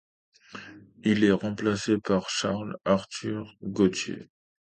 Il est remplacé par Charles-Arthur Gauthier.